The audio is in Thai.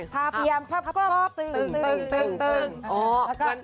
พานี่เลยเลย